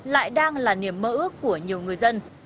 lại đang là niềm mơ ước của nhiều người dân